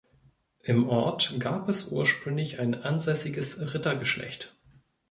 Im Ort gab es ursprünglich ein ansässiges Rittergeschlecht.